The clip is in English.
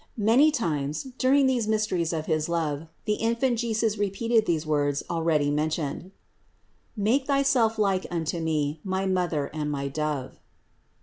Many times, during these mysteries of his love, the In fant Jesus repeated these words already mentioned : "Make thyself like unto Me, my Mother and my Dove."